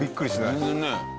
全然ね。